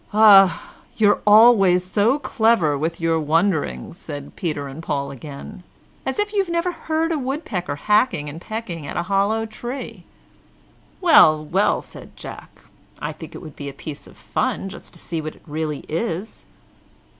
"Ah, you're always so clever with your wonderings," said Peter and Paul again; "as if you'd never heard a woodpecker hacking and pecking at a hollow tree." "Well, well," said Jack, "I think it would be a piece of fun just to see what it really is."